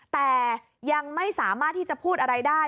แต่ยังไม่สามารถที่จะพูดอะไรได้